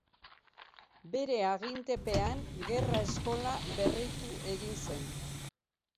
Bere agintepean, gerra eskola berritu egin zen.